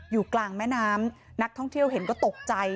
อยู่กลางแม่น้ำนักท่องเที่ยวเห็นก็ตกใจ